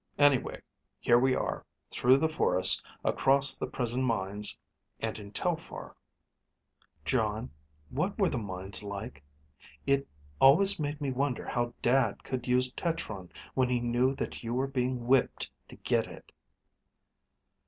Anyway, here we are, through the forest, across the prison mines, and in Telphar." "Jon, what were the mines like? It always made me wonder how Dad could use tetron when he knew that you were being whipped to get it."